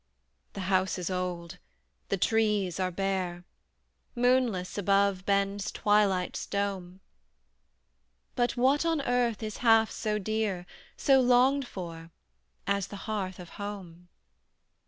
The house is old, the trees are bare, Moonless above bends twilight's dome; But what on earth is half so dear So longed for as the hearth of home?